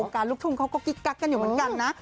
การลูกทุ่งเขาก็กิ๊กกักกันอยู่เหมือนกันนะ